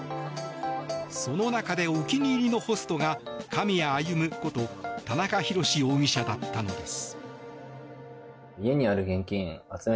その中で、お気に入りのホストが狼谷歩こと田中裕志容疑者だったのです。